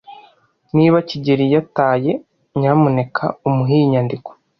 Niba kigeli yataye, nyamuneka umuhe iyi nyandiko.